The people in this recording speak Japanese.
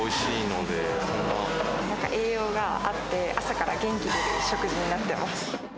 なんか栄養があって、朝から元気が出る食事になってます。